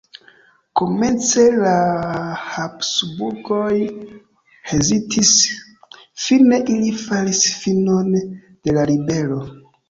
Komence la Habsburgoj hezitis, fine ili faris finon de la ribelo.